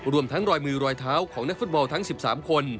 รวมทั้งรอยมือรอยเท้าของนักฟุตบอลทั้ง๑๓คน